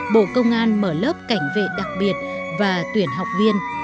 bộ công an mở lớp cảnh vệ đặc biệt và tuyển học viên